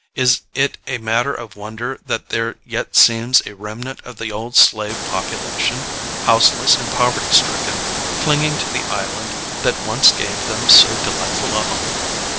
is it a matter of wonder that there yet remains a remnant of the old slave population, houseless and poverty stricken, clinging to the island that once gave them so delightful a home?